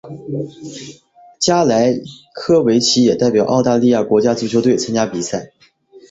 加莱科维奇也代表澳大利亚国家足球队参加比赛。